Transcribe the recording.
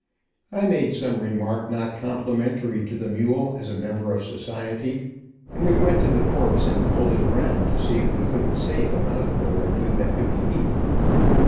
I made some remark not complimentary to the mule as a member of society and we went to the corpse and pulled it around to see if we couldn't save a mouthful or two that could be eaten.